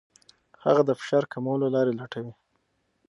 هغه د فشار کمولو لارې لټوي.